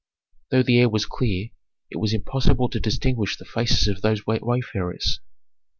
Though the air was clear, it was impossible to distinguish the faces of those wayfarers.